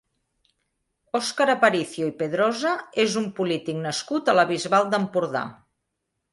Oscar Aparicio i Pedrosa és un polític nascut a la Bisbal d'Empordà.